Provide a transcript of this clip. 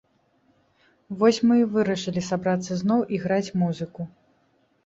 Вось мы і вырашылі сабрацца зноў і граць музыку.